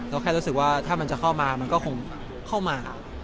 แค่รู้สึกว่าถ้ามันจะเข้ามามันก็คงเข้ามา